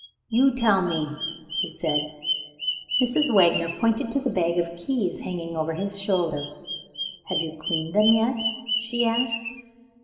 "You tell me," he said. Mrs. Wagner pointed to the bag of keys, hanging over his shoulder. "Have you cleaned them yet?" she asked.